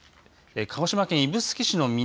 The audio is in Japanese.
鹿児島県指宿市の南